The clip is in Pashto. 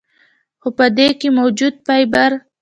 خو پۀ دې کښې موجود فائبر ،